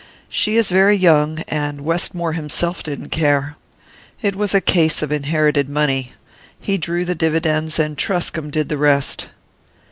She is very young, and Westmore himself didn't care. It was a case of inherited money. He drew the dividends, and Truscomb did the rest."